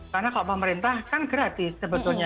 karena kalau pemerintah kan gratis sebetulnya